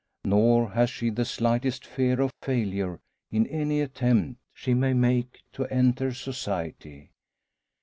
Nor has she the slightest fear of failure in any attempt she may make to enter Society.